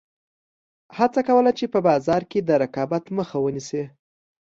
هڅه کوله چې په بازار کې د رقابت مخه ونیسي.